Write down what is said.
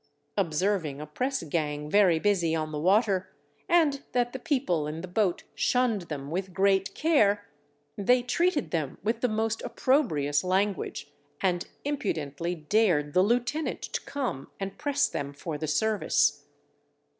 Observing a press gang very busy on the water, and that the people in the boat shunned them with great care, they treated them with the most opprobrious language, and impudently dared the lieutenant to come and press them for the service.